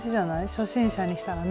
初心者にしたらね。